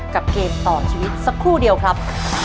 เกมต่อชีวิตสักครู่เดียวครับ